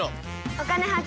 「お金発見」。